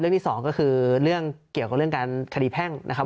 ที่สองก็คือเรื่องเกี่ยวกับเรื่องการคดีแพ่งนะครับ